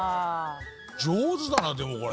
上手だなでもこれ。